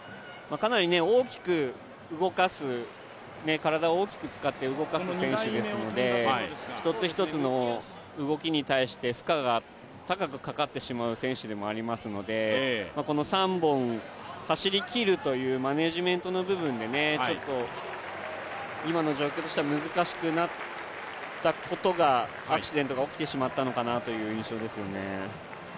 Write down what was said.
かなり体を大きく使って動かす選手ですので、１つ１つの動きに対して負荷が高くかかってしまう選手でもありますので、この３本走りきるというマネジメントの部分でちょっと今の状況としては難しくなったことがアクシデントが起きてしまったのかなという印象ですよね。